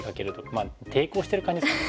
まあ抵抗してる感じですかね。